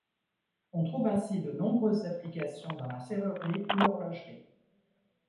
On trouve ainsi de nombreuses applications dans la serrurerie ou l’horlogerie.